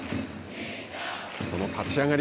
その立ち上がり。